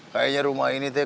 kayaknya rumah ini tuh